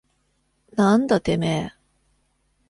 なんだてめえ。